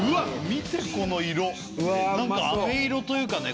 見てこの色あめ色というかね